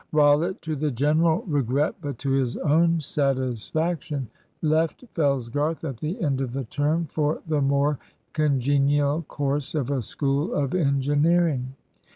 Rollitt, to the general regret, but to his own satisfaction, left Fellsgarth at the end of the term for the more congenial course of a school of engineering.